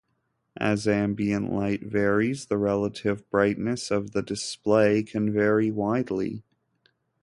As ambient light varies, the relative brightness of the display can vary widely.